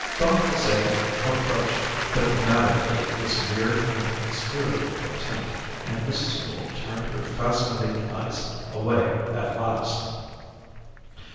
Don Jose approached diplomatically this weird and inscrutable portent, and Mrs. Gould turned her fascinated eyes away at last.